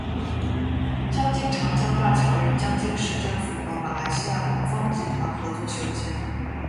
江津长江大桥由江津市政府和马来西亚南发集团合作修建。